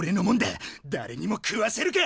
だれにも食わせるか！